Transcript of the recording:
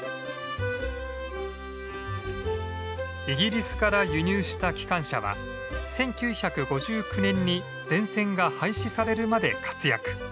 イギリスから輸入した機関車は１９５９年に全線が廃止されるまで活躍。